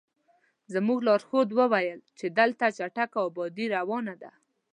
زموږ لارښود وویل چې دلته چټکه ابادي روانه ده.